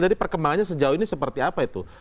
jadi perkembangannya sejauh ini seperti apa itu